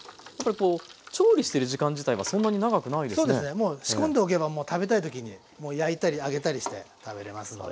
もう仕込んでおけばもう食べたい時にもう焼いたり揚げたりして食べれますので。